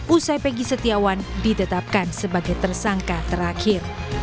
usai pegi setiawan ditetapkan sebagai tersangka terakhir